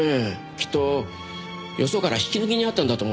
きっとよそから引き抜きにあったんだと思って。